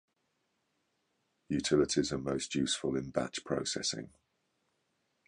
Utilities are most useful in batch processing.